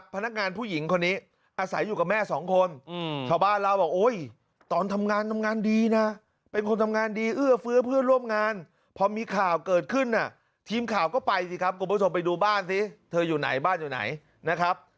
ปัจจุบันมีเงินหลายล้านบาท